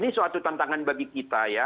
ini suatu tantangan bagi kita ya